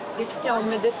おめでと。